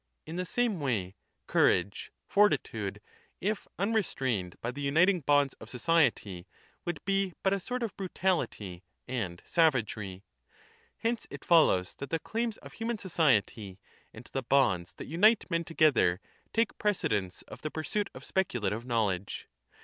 In the same way, courage [Fortitude], if unrestrained by the uniting bonds of society, would be but a sort of brutahty and savagery. Hence it follows that the claims of human society and the bonds that unite men together take precedence of the pursuit of speculative knowledge.